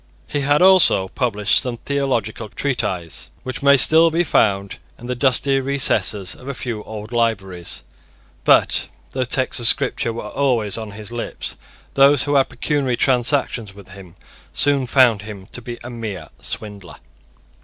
He had also published some theological treatises which may still be found in the dusty recesses of a few old libraries; but, though texts of Scripture were always on his lips, those who had pecuniary transactions with him soon found him to be a mere swindler.